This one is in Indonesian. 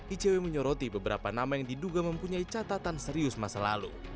icw menyoroti beberapa nama yang diduga mempunyai catatan serius masa lalu